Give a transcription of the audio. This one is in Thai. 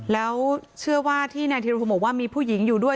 แล้วเชื่อว่าที่นายธิรพงศ์บอกว่ามีผู้หญิงอยู่ด้วย